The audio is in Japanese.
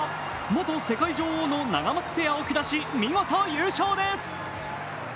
元世界女王のナガマツペアを下し見事優勝です。